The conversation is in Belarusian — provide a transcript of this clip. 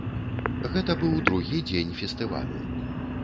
Гэта быў другі дзень фестывалю.